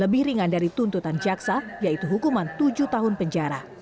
lebih ringan dari tuntutan jaksa yaitu hukuman tujuh tahun penjara